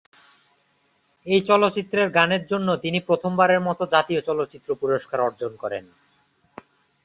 এই চলচ্চিত্রের গানের জন্য তিনি প্রথমবারের মত জাতীয় চলচ্চিত্র পুরস্কার অর্জন করেন।